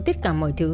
tất cả mọi thứ